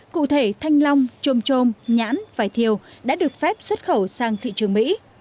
cụ thể thanh long trôm trôm nhãn vài thiêu đã được phép xuất khẩu sang thị trường mỹ